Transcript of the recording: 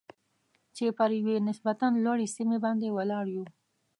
چې پر یوې نسبتاً لوړې سیمې باندې ولاړ یو.